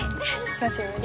久しぶり。